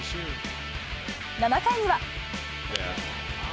７回には。